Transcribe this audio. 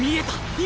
今！